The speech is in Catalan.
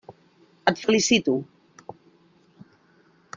Et felicito.